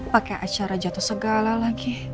pakai acara jatuh segala lagi